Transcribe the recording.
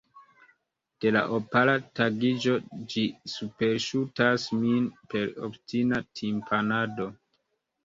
De la opala tagiĝo ĝi superŝutas min per obstina timpanado.